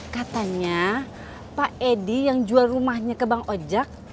katanya pak edi yang jual rumahnya ke bang ojak